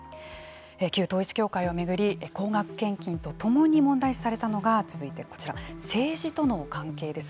旧統一教会を巡り高額献金と共に問題視されたのが続いて、こちら政治との関係です。